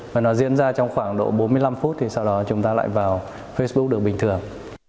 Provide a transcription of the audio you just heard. và nó diễn ra trong khoảng độ bốn mươi năm phút thì sau đó chúng ta lại vào facebook được bình thường